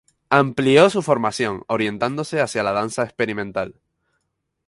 Amplió su formación orientándose hacia la danza experimental.